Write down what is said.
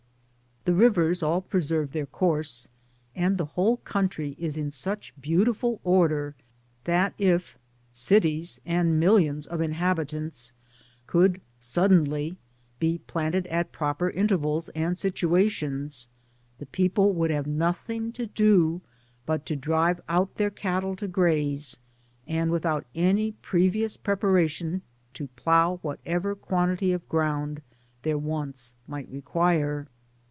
The rivers all jnreserve thdr course, and the whole country is in such beautiful order, that if Digitized byGoogk OF THB PAMPA9. 7 cides and milliom of inhalHtants could suddenly be planted at proper intervals and situatums^ the people would have nothing to do but to drive out their cattle to graze, and^ without any previous preparation^ to plough whatever quantity of ground their wants might require.